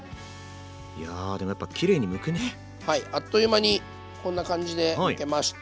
やでもやっぱはいあっという間にこんな感じでむけました。